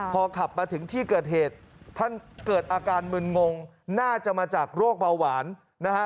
พอขับมาถึงที่เกิดเหตุท่านเกิดอาการมึนงงน่าจะมาจากโรคเบาหวานนะฮะ